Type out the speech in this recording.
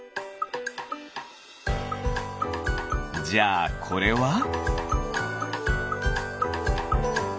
じゃあこれは？